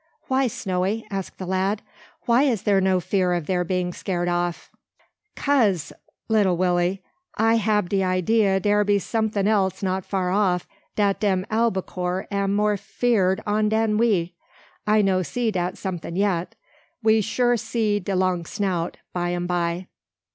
"Why, Snowy?" asked the lad, "why is there no fear of their being scared off?" "Kase, lilly Willy, I hab de idea dar be something else not far off, dat dem albacore am more feerd on dan we. I no see dat someting yet. We sure see de long snout, by 'm by."